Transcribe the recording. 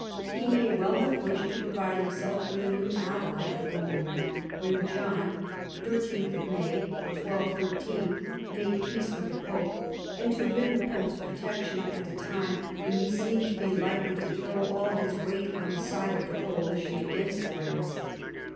He may well have wished to provide himself with a new ally at the moment when John (13th May 1213) made peace with the pope, and to win the pope's protection at a time when he seemed to be likely to throw all his weight on to the side of the coalition against France.